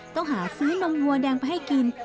ต้องหาซื้อนมวัวแดงไปให้กิน